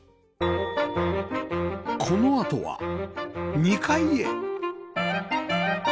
このあとは２階へ